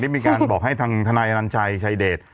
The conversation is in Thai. ที่มีการบอกให้ทันายอาลังชัยชายเดต